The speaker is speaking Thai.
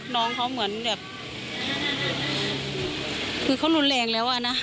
น้องเขาเหมือนแบบคือเขารุนแรงแล้วอะนะ